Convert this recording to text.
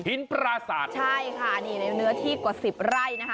หินปราสาทใช่ค่ะนี่เนื้อที่กว่า๑๐ไร่นะคะ